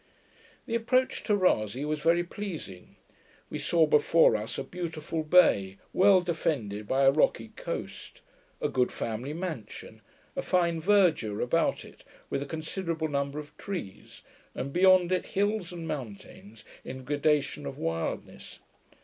The approach to Rasay was very pleasing. We saw before us a beautiful bay, well defended by a rocky coast; a good family mansion; a fine verdure about it, with a considerable number of trees; and beyond it hills and mountains in gradation of wildness.